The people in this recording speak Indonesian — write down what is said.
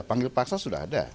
panggil paksa sudah ada